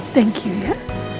terima kasih ya